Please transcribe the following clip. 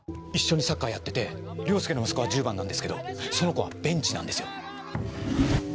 一緒にサッカーやってて凌介の息子は１０番なんですけどその子はベンチなんですよ。